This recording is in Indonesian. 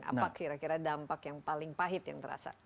apa kira kira dampak yang paling pahit yang terasa